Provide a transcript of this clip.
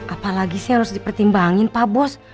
apalagi saya harus dipertimbangin pak bos